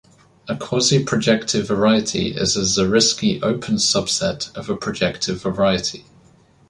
A quasi-projective variety is a Zariski open subset of a projective variety.